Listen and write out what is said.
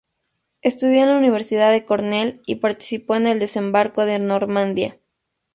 Estudió en la Universidad de Cornell y participó en el desembarco de Normandía.